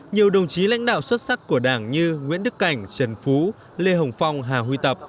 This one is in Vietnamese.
nhiều đồng chí lãnh đạo xuất sắc của đảng như nguyễn đức cảnh trần phú lê hồng phong hà huy tập